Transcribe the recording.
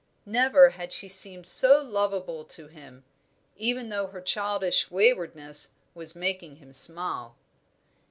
Never had she seemed so lovable to him, even though her childish waywardness was making him smile.